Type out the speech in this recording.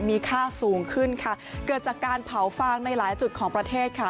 มีค่าสูงขึ้นค่ะเกิดจากการเผาฟางในหลายจุดของประเทศค่ะ